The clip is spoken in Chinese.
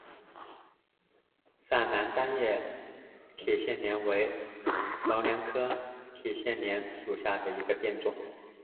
陕南单叶铁线莲为毛茛科铁线莲属下的一个变种。